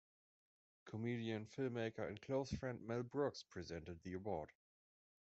Comedian, filmmaker and close friend Mel Brooks presented the award.